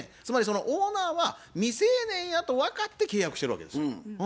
つまりそのオーナーは未成年やと分かって契約してるわけですよ。